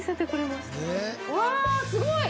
うわすごい！